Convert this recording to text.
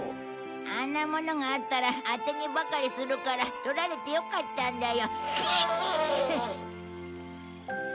あんなものがあったらあてにばかりするから取られてよかったんだよ。